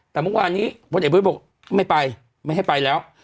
แต่เมื่อวานนี้พลเอกประวิทย์บอกไม่ไปไม่ให้ไปแล้ว